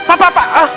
pak pak pak